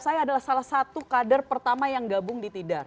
saya adalah salah satu kader pertama yang gabung di tidar